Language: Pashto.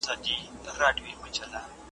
د تجلیلولو لپاره هیڅ ډول مراسم نه لري `